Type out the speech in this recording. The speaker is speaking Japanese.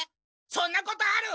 そんなことある！